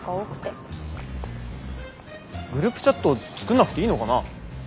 グループチャット作んなくていいのかな？